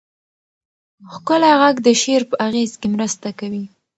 ښکلی غږ د شعر په اغېز کې مرسته کوي.